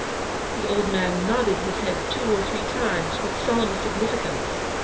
" The old man nodded his head two or three times with solemn significance.